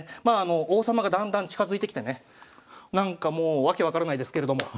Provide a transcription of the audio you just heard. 王様がだんだん近づいてきてねなんかもう訳分からないですけれども。